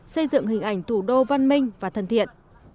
xây dựng hình ảnh thủ đô văn minh và thân thiện